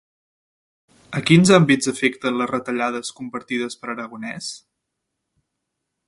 A quins àmbits afecten les retallades compartides per Aragonès?